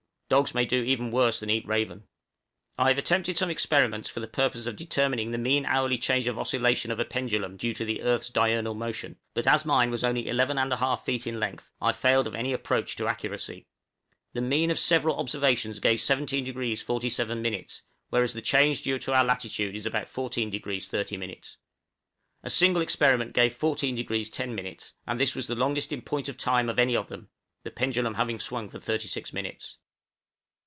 Dogs may do even worse than eat raven. I have attempted some experiments for the purpose of determining the mean hourly change of oscillation of a pendulum due to the earth's diurnal motion; but as mine was only 11 1/2 feet in length, I failed of any approach to accuracy. The mean of several observations gave 17° 47', whereas the change due to our latitude is about 14° 30'. A single experiment gave 14° 10', and this was the longest in point of time of any of them, the pendulum having swung for thirty six minutes.